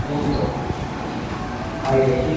মূলত দক্ষিণ ও মধ্য আমেরিকা ও কারিবীয় দেশ নিয়ে গঠিত।